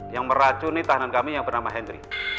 yang meracuni tahanan kami yang bernama henry